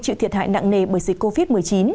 chịu thiệt hại nặng nề bởi dịch covid một mươi chín